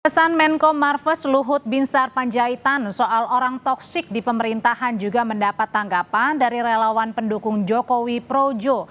kesan menko marves luhut binsar panjaitan soal orang toksik di pemerintahan juga mendapat tanggapan dari relawan pendukung jokowi projo